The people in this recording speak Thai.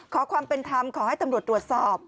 ขอความเป็นธรรมขอให้ตำรวจตรวจสอบ